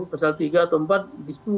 pasal tiga atau empat